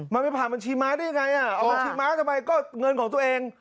มันไม่ผ่านบัญชีม้าได้ยังไงอ่ะเอาบัญชีม้าทำไมก็เงินของตัวเอง